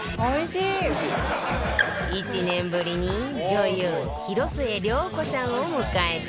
１年ぶりに女優広末涼子さんを迎えて